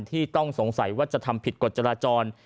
ที่ต้องสงสัยว่าจะทำผิดกฎจราจร